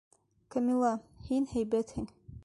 Камила, һин һәйбәтһең...